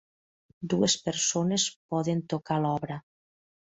Dues persones poden tocar l'obra.